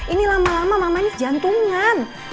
ini lama lama mamanya jantungan